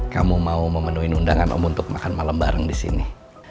kamu mau memenuhi undangan om untuk makan malam bareng di sini